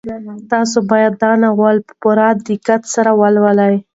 تاسو باید دا ناول په پوره دقت سره ولولئ.